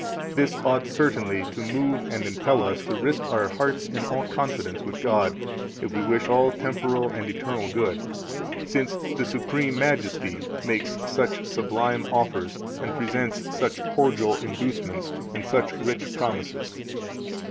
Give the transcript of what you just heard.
40 This ought certainly to move and impel us to risk our hearts in all confidence with God, if we wish all temporal and eternal good, since the Supreme Majesty makes such sublime offers and presents such cordial inducements and such rich promises.